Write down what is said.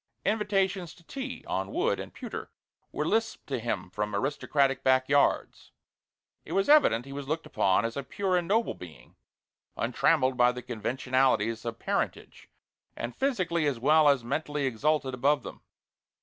Invitations to tea (on wood and pewter) were lisped to him from aristocratic back yards. It was evident he was looked upon as a pure and noble being, untrammeled by the conventionalities of parentage, and physically as well as mentally exalted above them.